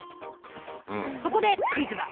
そこでクイズだ。